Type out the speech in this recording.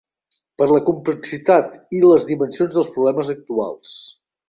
Per la complexitat i les dimensions dels problemes actuals.